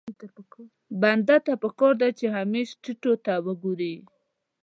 بنده ته پکار ده چې همېش ټيټو ته وګوري.